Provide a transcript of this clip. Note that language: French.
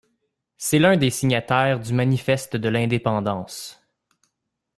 C'est l'un des signataires du Manifeste de l'indépendance.